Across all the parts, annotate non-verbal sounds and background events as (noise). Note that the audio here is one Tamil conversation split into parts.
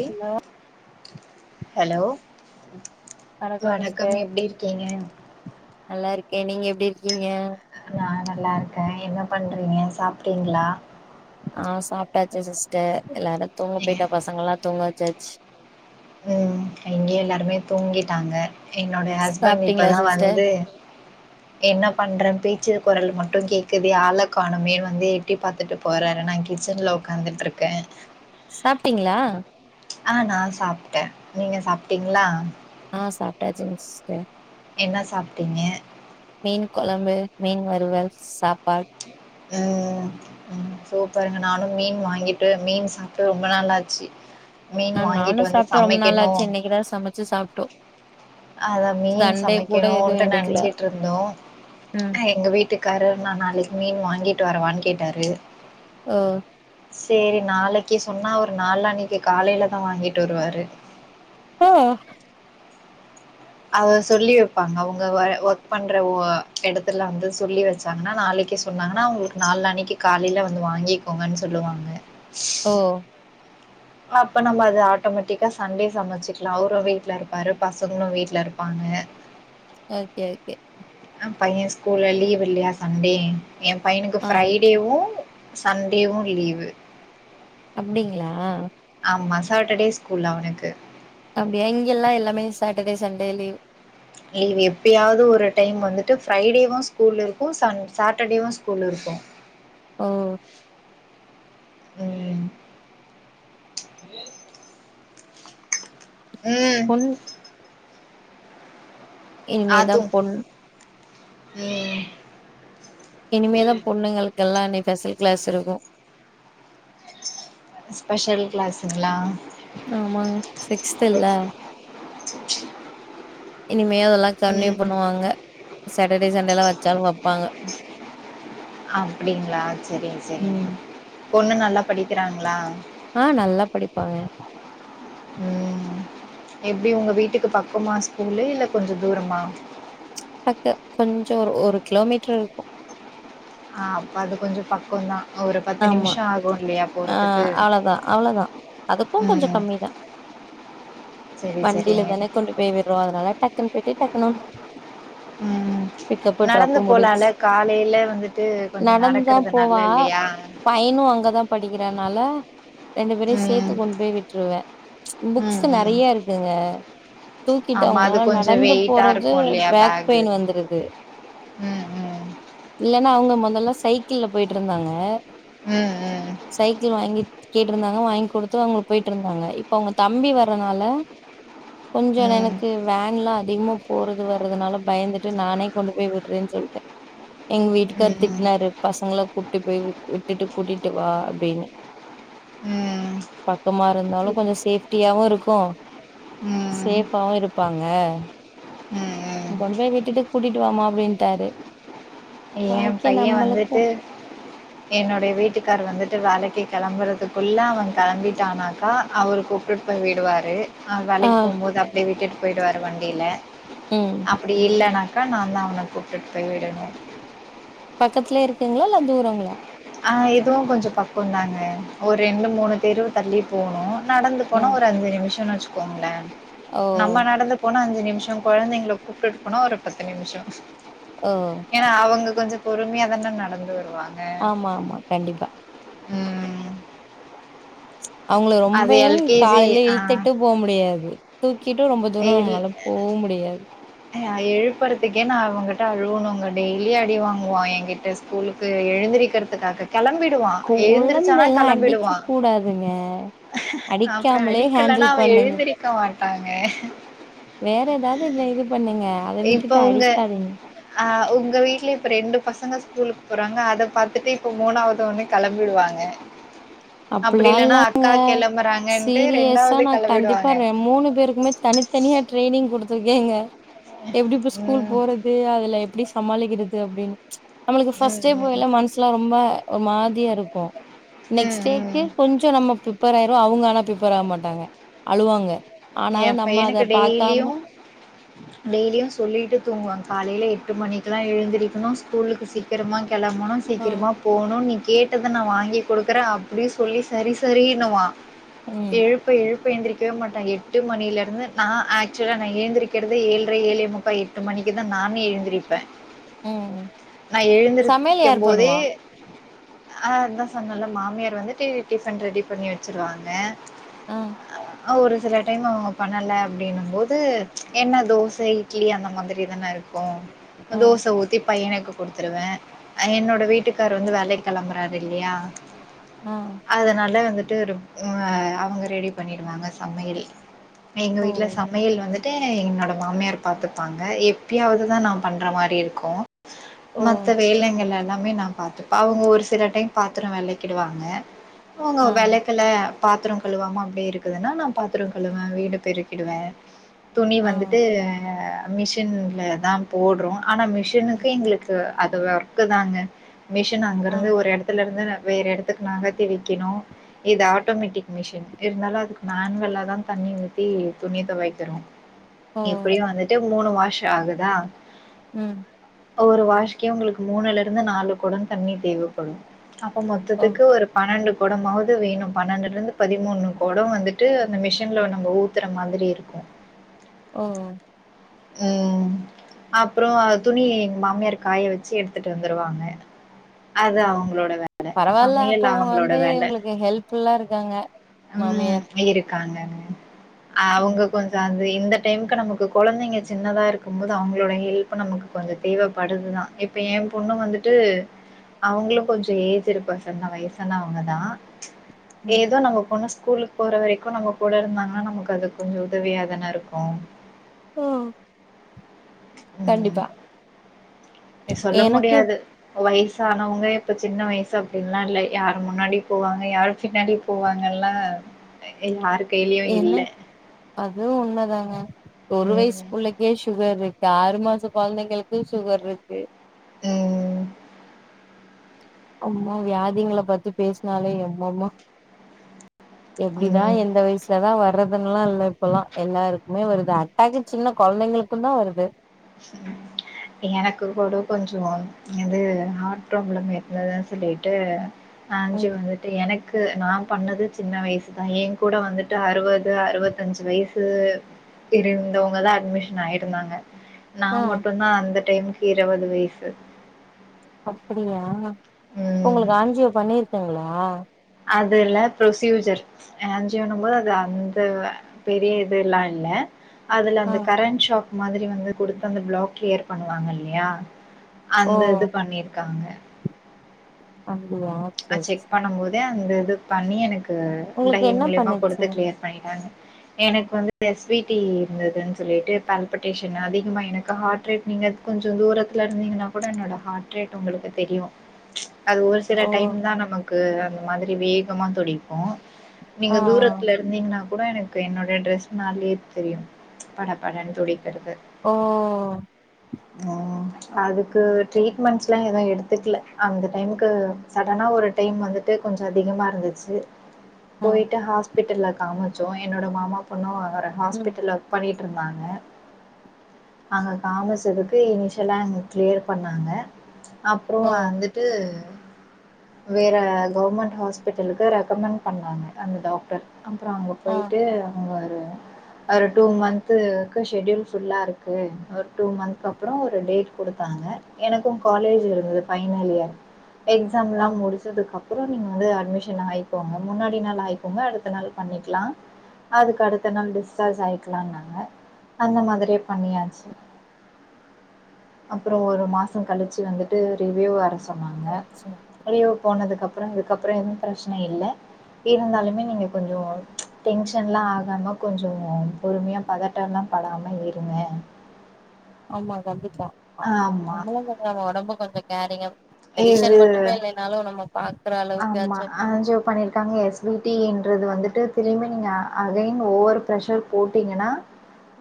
(inaudible) ஹலோ ஹலோ வணக்கம் சிஸ்டர் எப்டி இருக்கீங்க நல்லா இருக்க நீங்க எப்டி இருக்கீங்க நா நல்லா இருக்க என்ன பண்றீங்க சாப்ட்டீங்ளா ஆ சாப்ட்டாச்சு சிஸ்டர் எல்லாரு தூங்க ஏ, போயிட்ட பசங்கல்லா தூங்க வச்சாச்சு இங்கேயு எல்லாருமே தூங்கிட்டாங்க என்னோடைய ஹஸ்பண்ட் சாப்ட்டீங்களா இப்போதா சிஸ்டர் வந்து என்ன பண்ற பேச்சு கொரலு மட்டும் கேக்குது ஆள காணுமேன் வந்து எட்டி பாத்துட்டு போறாரு நா கிச்சன்ல உக்காந்துட்ருக்க சாப்ட்டீங்ளா ஆ நா சாப்ட்ட நீங்க சாப்ட்டீங்ளா ஆ சாப்ட்டாச்சுங்க சிஸ்டர் என்ன சாப்டீங்க மீன் கொழம்பு மீன் வறுவல் சாப்பா ம் ம் சூப்பருங்க நானும் மீன் வாங்கிட்டு மீன் சாப்டு ரொம்ப நாளாச்சு ஆ நானும் சாப்டு ரொம்ப நாளாச்சு இன்னைக்குதா சமைச்சு சாப்டோ அத மீன் சமைக்கணும்ன்ட்டு எடுக்கல நினச்சிட்டு இருந்தோ ம் எங்க வீட்டுக் காரரு நா நாளைக்கு மீன் வாங்கிட்டு வரவானு கேட்டாரு ஓ செரி நாளைக்கு சொன்னா அவரு நாளனைக்கு காலையிலதா வாங்கிட்டு வருவாரு ஓ அவர் சொல்லி வெப்பாங்க அவுங்க ஒர்க் பண்ற ஒ எடத்துல வந்து சொல்லி வச்சாங்கனா நாளைக்கு சொன்னாங்கனா உங்களுக்கு நாளனைக்கு காலையில வந்து வாங்கிக்கோங்கனு சொல்லுவாங்க ஓ அப்ப நம்ம அது ஆட்டோமேட்டிக்கா சன்டே சமைச்சிக்கலா அவரும் வீட்ல இருப்பாரு பசங்களும் வீட்ல இருப்பாங்க ஓகே ஓகே அ பைய ஸ்கூலு லீவ் இல்லயா சன்டே எ பையனுக்கு ஆ ஃப்ரைடேவு சன்டேவு லீவு அப்டிங்ளா ஆமா சேட்டடே ஸ்கூல் அவனுக்கு அப்டியா இங்கெல்லா எல்லாமே சேட்டடே சன்டே லீவு லீவு எப்பயாவ்து ஒரு டைம் வந்துட்டு ஃப்ரைடேவு ஸ்கூல் இருக்கு சன் சேட்டடேவு ஸ்கூல் இருக்கு ஓ ம் ம் ம் இனிமேதா அது பொண் ம் இனிமேதா பொண்ணுங்களுக்கெல்லா இனி ஃபெஸல் க்ளாஸ் இருக்கு ஸ்பெஷல் க்ளாஸுங்ளா ஆமாங் சிக்ஸ்த்துல இனிமேதா அதெல்லா கன்வே ம் பண்ணுவாங்க சேட்டடே சன்டேலா வெச்சாலு வெப்பாங்க அப்டிங்ளா செரிங்க செரிங்க ம் பொண்ணு நல்லா படிக்கிறாங்ளா ஆ நல்லா படிப்பாங்க ம் எப்டி உங்க வீட்டுக்கு பக்கமா ஸ்கூலு இல்ல கொஞ்சொ தூரமா பக்க கொஞ்சொ ஒரு ஒரு க்லோமீட்ரு இருக்கு ஆ அப்ப அது கொஞ்சொ பக்கொந்தா ஒரு பத்து ஆமா நிமிஷோ ஆகு இல்லியா ஆ போறது அவ்ளதா அவ்ளோதா அதுக்கு கொஞ்சொ ம் கம்மிதா செரி வண்டில செரிங்க தானே கொண்டு போய் விடுறோ அதனால டக்குனு போய்ட்டு டக்குனு வந்துற ம் ம் நடந்து போலால முடிஞ்சு காலையில வந்துட்டு கொஞ்சோ நடந்துதா நடக்கறது நல்ல போவா இல்லயா பையனு அங்கதா படிக்கிறனால ரெண்டு பேரயு சேத் து ம் கொண்டு போய் விட்டுருவே ம் புக்ஸு ம் நெறைய இருக்குங்க தூக்கிட்டு ஆமா அது அவுங்களால கொஞ்சோ நடந்து வெயிட்டா போறது இருக்கு இல்லையா பேக் பேகு பெயின் வந்துருது ம் ம் இல்லனா அவங்க மொதல்லா சைக்கிள்ல போய்ட்டுருந்தாங்க ம் ம் சைக்கிள் வாங்கி கேட்டுருந்தாங்க வாய்ங் குடுத்தோ அவுங்க போய்ட்டுருந்தாங்க இப்ப அவுங்க தம்பி வர்றனால கொஞ்சோ எ ம் எனக்கு வேன்ல்லா அதிகமா போறது வர்றதுனால பயந்துட்டு நானே கொண்டு போய் விட்றேன் சொல்ட்டே எங்க வீட்டுக்கார் ம் ம் திட்னாரு பசங்கள கூட்டி போய் வி விட்டுட்டு கூட்டிட்டு வா அப்டினு ம் பக்கமா இருந்தாலு கொஞ்சோ சேஃப்ட்டியாவு இருக்கு ம் ம் சேஃபாவு இருப்பாங்க ம் நீ கொண்டு போய் விட்டுட்டு கூட்டிட்டு வாம்மா அப்படின்ட்டாரு ஏ ஓக்கே பைய நம்மளுக்கு வந்துட்டு என்னுடைய வீட்டுக்கார் வந்துட்டு வேலைக்கு கெளம்புறதுக்குள்ள அவன் கெளம்பிட்டானாக்கா அவரு கூ ட்டு போய் விடுவாரு அ ஆ வேலைக்கு போம்மோது அப்டே விட்டுட்டு போயிடுவாரு வண்டியில ம் அப்ப டி இல்லைனாக்கா நான்தா அவன கூப்டுட் போய் விடணு பக்கத்துலயே இருக்குங்களா இல்ல தூரங்களா ஆ இதுவும் கொஞ்சம் பக்கம்தாங்க ஒரு ரெண்டு மூணு தெரு தள்ளி போனும் நடந்து ஆ போனா ஒரு அஞ்சு நிமிஷம்னு வச்சுக்கோங்களேன் ஓ நம்ம நடந்து போனா அஞ்சு நிமிஷம் குழந்தைங்கள கூப்பிட்டுட்டு போனா ஒரு பத்து நிமிஷம் அ ஏன்னா அவங்க கொஞ்சம் பொறுமையாதான நடந்து வருவாங்க ஆமா ஆமா கண்டிப்பா ம் அவுங்கள அது ரொம்பயு எல்கேஜி காலைலே ஆ இழுத்துட்டு போ முடியாது தூக்கிட்டும் ரொம்ப தூரம் நம்மளால போ முடியாது நா எழுப்புறதுக்கே நான் அவுங்கிட்ட அழுவனும்ங்க டெய்லியு அடி வாங்குவான் என்கிட்ட ஸ்கூலுக்கு எழுந்திருக்கிறதுக்காக கிளம்பிடுவான் எழுந்தருச்சானா கொழந்தல்லா அடிக்க கிளம்பிடுவான் கூடாதுங்க அப்பறம் அடிக்காமலே ஹேண்டில் அடிக்கலனா அவன் பண்ணுங்க எழுந்திரிக்க மாட்டாங்க வேற ஏதாவது இல்ல இது பண்ணுங்க அத இப்ப விட்டுட்டு உங்க அடிக்காதீங்க அ உங்க வீட்ல இப்ப ரெண்டு பசங்க ஸ்கூலுக்கு போறாங்க அதை பாத்துட்டு இப்ப மூணாவது ஒண்ணு கிளம்பிடுவாங்க அப்பல்லாம் இல்லங்க கெளம்புறாங்கன்ட்டு சீரியஸா ரெண்டாவது நான் கண்டிப்பா கெளம்பிடுவாங்க மூணு பேருக்குமே தனி தனியா ட்ரைனிங் குடுத்துருக்கேங்க எப்டி இப்ப ஸ்கூல் ம் போறது அதுல எப்டி சமாளிக்கிறது அப்டின் நம்மளுக்கு ம் ஃபஸ்ட்டே போய் எல்லாம் மனசுலாம் ரொம்ப ஒரு மாதிரியா இருக்கோம் ம் நெக்ஸ்ட் ம் டேக்கு ம் கொஞ்சோ நம்ம ப்ரிப்பேர் ஆயிருவோம் அவங்க ஆனா ப்ரிப்பேர் ஆக மாட்டாங்க அழுவாங்க எ ஆனாலும் நம்ம அத பாக்காம டெய்லியும் சொல்லிட்டு தூங்குவாங்க காலையில எட்டு மணிக்கெல்லாம் எழுந்திருக்கணும் ஸ்கூலுக்கு சீக்கிரமா கிளம்பனும் ஆ சீக்கிரமா போகணும் நீ கேட்டத நான் வாங்கி குடுக்குற அப்டி சொல்லி சரி சரின்னுவான் ம் எழுப்ப எழுப்ப எந்திரிக்கவே மாட்டான் எ எட்டு மணியில இருந்து நான் ஆக்சுவலா நான் எழுந்திருக்கிறதே ஏழரை ஏழே முக்கா எட்டு மணிக்கு தான் நானே எழுந்திருப் ப ம் ம் நான் சமையல் எழுந்திருக்கும் யார் போதே பண்ணுவா அ அதான் சொன்நல்ல மாமியார் வந்துட்டு டிஃபன் ரெடி பண்ணி வச்சிருவாங்க ஆ ஆ ஒரு சில டைம் அவுங்க பண்ணல அப்டின்னும் போது என்ன தோசை இட்லி அந்த மாதிரி தானே இருக்கும் ஆ தோச ஊத்தி பையனுக்கு குடுத்துருவேன் என்னோட வீட்டுக்கார் வந்து வேலைக்கு கிளம்புறாரு இல்லையா ம் அதனால வந்துட்டு அவுங்க ரெடி பண்ணிடுவாங்க சமையல் எங்க ஓ வீட்ல சமையல் வந்து வன்ட்டு என்னோட மாமியார் பார்த்துப்பாங்க எப்பயாவது தான் நான் பண்ற மாரி இருக்கும் ஓ மத்த வேலைங்கள் எல்லாமே நா பாத்துப்ப அவுங்க ஒரு சில டைம் பாத்திரம் விளக்கிடுவாங்க அவுங்க ஆ வெலக்கல பாத்திரம் கழுவாம அப்டியே இருக்குதுன்னா நான் பாத்திரம் கழுவுவேன் வீடு பெருக்கிடுவேன் துணி ஆ வந்துட்டு அ மிஷின்ல தான் போடுறோம் ஆனா மிஷினுக்கு எங்களுக்கு அது ஒர்க்கு தாங்க மிஷின் ஆ அங்கிருந்து ஒரு இடத்துல இருந்து வேற இடத்துக்கு நகத்தி வைக்கணு இது ஆட்டோமேட்டிக் மிஷின் இருந்தாலும் அதுக்கு மேனுவலா தண்ணி ஊத்தி துணி துவைய்க்கனு ஓ எப்டியு அது ட்டு மூணு வாஷ் ஆகுதா ம் ஒரு வாஷ்க்கே உங்களுக்கு மூணுல இருந்து நாலு கொடோ தண்ணி தேவப்படு அப்ப ஓ மொத்தத்துக்கு ஒரு பன்னெண்டு கொடமாது வேணு பன்னெண்டுல இருந்து பதிமூணு கொடோ வந்துட்டு இந்த மிஷின்ல நம்ம ஊத்தற மாதிரி இருக்கு ஓ ம் அப்றோ துணி எங் மாமியார் காய வெச்சு எடுத்துட்டு வந்துருவாங்க அது ம் அவங்களோட வேல. பரவால்ல அப்ப சமையல் அவங்க அவங்களோட வந்து வேல. உங்களுக்கு ஹெல்ப் ஃபுல்லா இருக்காங்க மாமியார் இருக்காங்க ம் அவங்க கொஞ் இந்த டைமுக்கு நமக்கு கொழந்தைங்க சின்னதாக இருக்கும் போது அவங்களோட ஹெல்ப் நமக்கு கொஞ்சோ தேவப்படுதுதா இப் இப்ப ஏ பொண்ணு வந்துட்டு அவங்களு கொஞ்சோ ஏஜ்ஜுடு பார்சன் வயசானவங்கதா ம் ஏதோ நம்ம பொண்ணு ஸ்கூலுக்கு போற வரைக் கு நம்ம கூட இருந்தாங்கன்னா நமக்கு அது கொஞ்சோ உதவியா தான இருக்கு ஆ ம் சொல்ல எனக்கு முடியாது வயசானவங்க இப்ப சின்ன வயசு அப்டின்ல்லா இல்ல யாரு முன்னாடி போவாங்க யாரு பின்னாடி போவாங்கல்லன்லா யாரு கையிலயு இல்ல அது உண்மதாங்க ஒரு வயசு ம். புள்ளைக்கே சுகர் இருக் ஆறு மாச கொழந்தைங்களுக்கு சுகர் இருக்கு ம் அம்மா வியாதிங்கள பத்தி பேசினாலே எம்மம்மா எப்டிதா ம். இந்த வயசு இப்ப தா வர்றதுன்லா இல்ல இப்பெல்லா எல்லாருக்குமே வருது அட்டாக்கு சின்ன கொழந்தைங்கக்கு தா வருது எனக்கு கூட கொஞ்சோ இது ஹார்ட் பிராப்ளம் இருந்ததா சொல்லிட்டு ஆஞ்சு ம் வந்துட்டு எனக் க்கு நா பண்ணது சின்ன வயசுதா ஏ கூட வந்துட்டு அறுவது அறுவத்தஞ்சு வயசு இருந்தவங்கதா அட்மிஷன் ஆயிருந்தாங்க நா ஆ மட்டுந்தா அந்த டைமுக்கு இருவது வயசு அப்பிடியா ம் உங்களுக்கு ஆஞ்ஜியோ பண்ணிருக்கீங்களா அதுல்ல புரொஸ்யூஜர் ஆஞ்சியோண்ணு போது அது அந்த பெரிய இது எல்லா இல்ல அதுல ஆ அந்த கரண்ட் ஷாக் மாதிரி வந்து குடுத்து அந்த பிளாக் கிளியர் பண்ணுவாங்க இல்லயா ஓ அந்த இது பண்ணிருக்காங்க அப்பிடியா ஆ செக் பண்ணும் போதே அந்த இது பண்ணி எனக்கு டை உங்களுக்கு என்ன மூலியமா குடுத்து பண்ணுச்சு கிளியர் பண்ணிட்டாங்க எனக்கு வந்து எஸ் வி டி இருந்ததுன்னு சொல்லிட்டு (unintelligible) அதிகமாக எனக்கு ஹார்ட் ரேட் நீங்க கொஞ்சோ தூரத்துல இருந்தீங்கன்னா கூட என்னோட ஹார்ட் ரேட் உங்களுக்கு தெரியு அது ஒரு சி ஓ டைம் தா நமக்கு அந்த மாதிரி வேகமா துடிக்கு நீங்க ஆ தூரத்துல இந்தீங்கன்னா கூட எனக்கு என்னோட டிரெஸ் மேலயே தெரியு படப்படன்னு துடிக்கறது ஓ ம் அதுக்கு டிரீட்மெண்ட்ஸ்ல்லா எது எடுத்துக்கல அந்த டைமுக்கு சடனா ஒரு டைம் வந்துட்டு கொஞ்சோ டிம்மா இருந்துச்சு ஆ போய்ட்டு ஹாஸ் பிட்டல்ல காமிச்சோ என்னோட மாமா பொண்ணு ம் ஹாஸ்பிட்டல்ல ஒர்க் பண்ணிட்டு இருந்தாங்க அங்கே காமசதக்கு இனிஷிலா அங்க கிளியர் பண்ணாங்க அப்பறோ ஓ வந்துட்டு வேற கவர்மெண்ட் ஹாஸ்பிட்டலுக்கு ரெக்கமெண்ட் பண்ணாங்க அந்த டாக்டர் அப்பறோ அங்க ஆ போய்ட்டு அவங்க ஒரு ஒரு டூ மந்த்து க்கு ஷெட்யூல் ஃபுல்லா இருக்கு ஒரு டூ மந்த் அப்புறோ ஒரு டேட் குடுத்தாங்க எனக்கு காலேஜ் இருந்தது ஃபைனல் இயர் எக்ஸாம்ல்லா ஓ முடிச்சதுக்கு அப்பறோ நீங்க வந்து அட்மிஷன் ஆய் கோங்க முன்னாடி நாள் ஆய்க்கோங்க (unintelligible) அடுத்த நாள் பண்ணிக்லா அதுக்கு அடுத்த ஓ நாள் டிஸ்சார்ஜ் ஆய் க்கலானாங்க அந்த மாரியே பண்ணியாச்சு அப்பறோ ஒரு மாசோ கழிச்சு வந்துட்டு ரிவ்யூ வர சொன்னாங்க ஓ சேரி ரிவ்யூ போனதுக்கு அப்பறோ இதுக்கப்பறோ எந் பிரச்சன இல்ல ம் இருந்தாலுமே நீங்க கொஞ்சோ டென்ஷன்லா ஆகாம கொஞ்சோ பொறுமையா பதட்டம்லா படாம இருங்க ஆமா கண்டிப்பா ஆமா நம்ளு கொஞ்சோ நம்ம ஒடம்பு கொஞ்சோ கேரிங்க இது ட்ரெடிஷன் மட்டுமே இல்ல நாலு நம்மக் பாக்குறாள் ஆமா ஆஞ்சியோ பண்ணிருக்காங்க எஸ் ப்ளூடீன்றது வந்துட்டு திரியுமே நீங்க அகைன் ஓவர் ப்ரெஷர் போட்டீங்கன்னா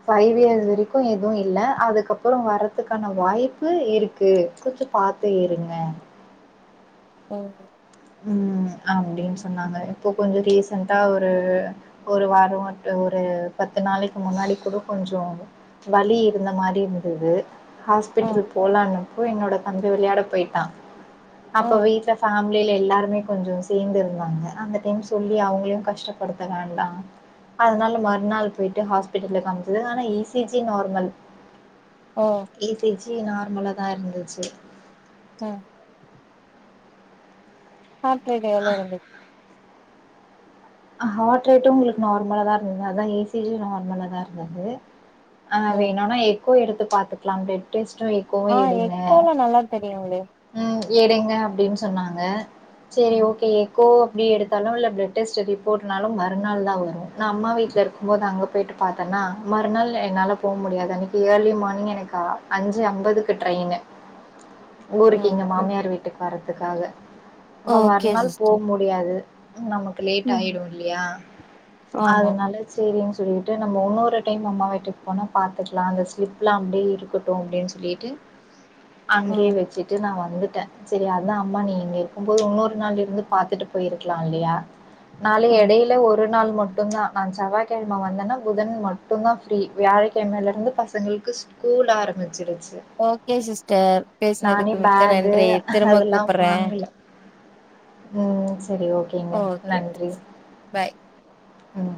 ஃபைவ் இயர்ஸ் வரைக்கு எதுவு இல்ல அதுக்கப்பறோ வாரதுக்கான வாய்ப்பு இருக்கு பாத்து இருங்க எனக்கு ம் அப்டின் சொன்னாங்க இப்போ கொஞ்சோ ரீசெண்ட்டா ஒரு ஒரு வாரோ ஒரு பத்து நாளைக்கு முன்னாடி கூட கொஞ்சோ வலி இருந்த மாரி இருந்தது ம் ஹாஸ்பிட்டல் போலனுப்போ என்னோட தம்பி விளயாட போய்ட்டா அப்ப ம் வீட்ல சாமி வீல்ல எல்லாருமே கொஞ்சோ சேந்து இருந்தாங்க அந்த டைம் சொல்லி அவங்களையு கஷ்டப்படுத்த வேண்டா அதனால மறுநாள் போயிட்டு ஹாஸ்பிட்டல்ல காம்ச்சி ஆனா இ சி ஜி நார்மல் ம் இ சி ஜி நார்மலா தா இருந்துச்சு ம் ஹாட் ரேட் எவ்ளோ இருந்துச் அ ஹாட்ரேட்டு உங்களுக்கு நார்மலா தா இருந்தது அதா இ சி ஜி யு நார்மலா தா இருந்தது ஆ ம் எங்கன எக்கோ எடுத்து பாத்துக்லா பிளட் டெஸ்ட்டோ எக் ஆ எக்கோலா நல்லா தெரியுங்ளே ம் எடுங்க அப்டின் சொன்னாங்க சரி ம் ஓகே எக்கோ அப்டி எடுத் (unintelligible) பிளட் டெஸ்ட்டு ரிப்போர்ட்னால மறுநாள் தா வரோ நா அம்மா வீட்ல இருக்கு போது அங்க போய்ட்டு பாத்தன்னா மறுநாள் என்னால போ முடியாது அன்னிக்கு ஏர்லி மார்னிங் எனக்கு அஞ்சு அம்பதுக்கு ட்ரெயின்னு ஊருக்கு இங்க ஓகே மாமியார் வீட்டுக்கு வர்றத்துக்காக நா ஓகே மறுநாள் போ சிஸ்டர் முடியாது நமக்கு லேட் ம் ஆயிடு இல்லியா ஆமா அதனால சேரின் சொல்லிட்டு நம்ம உன்னொரு டைம் அம்மா வீட்டுக் போனா பாத்துக்கலா அந்த ஸ்லிப்லா அப்டியே இருக்கட் ட்டு அப்டின்னு சொல்லிட்டு (inaudible) அங்கேயே ம் வச்சுிட்டு நா வந்துட்டேன் சரி அதான் அம்மா நீ இங்க இருக்கும்போது இன்னொரு நாள் இருந்து பாத்துட்டு போயிருக்கலாம் இல்லையா நாலு ம். யெடையில ஒரு நாள் மட்டும் மட்டும்தான் நான் செவ்வாகிழம வந்தேன்னா புதன் மட்டும் தான் ஃப்ரீ வியாழக்கிழமையில இருந்து பசங்களுக்கு ஸ்கூ கூல் ஆரம்பமிச்சிடுச்சு ஓகே சிஸ்டர் பேசுனதுக்கு மிக்க பேகு நன்றி திரும்ப அதெல்லா கூப்புறன். வாங்கல ம் செரி ஓகேங்க ஓகே நன்றி பாய் ம்